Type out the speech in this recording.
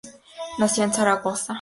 Nació en Zaragoza.